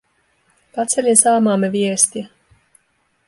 Katselin saamamme viestiä.